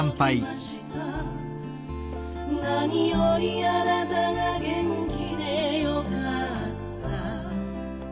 「なによりあなたが元気でよかった」